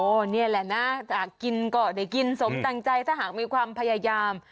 นี่แหละนะกินก็ได้กินสมตั้งใจถ้าหากมีความพยายาม